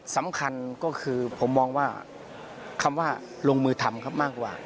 สำคัญก็คือผมมองว่าคำว่าลงมือทำครับมากกว่า